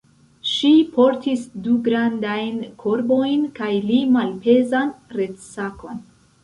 Ŝi portis du grandajn korbojn kaj li malpezan retsakon.